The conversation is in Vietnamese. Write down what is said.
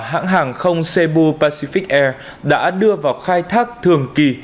hãng hàng không cebu pacific air đã đưa vào khai thác thường kỳ